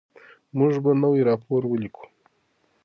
موږ به نوی راپور ولیکو.